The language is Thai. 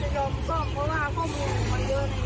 ข้ามไปข้ามบ้างมันก็เจอ